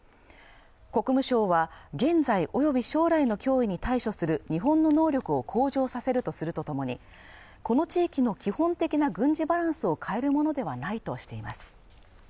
国務省は現在および将来の脅威に対処する日本の能力を向上させるとするとともにこの地域の基本的な軍事バランスを変えるものではないとしています